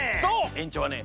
えんちょうはね